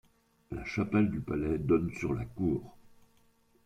La chapelle du palais donne sur la cour.